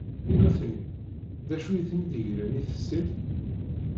I nutni, d acu i ten-id-igren di tessirt?